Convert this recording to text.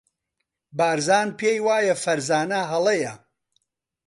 بارزان پێی وایە فەرزانە هەڵەیە.